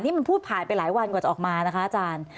นี่มันพูดผ่านไปหลายวันกว่าจะออกมานะคะอาจารย์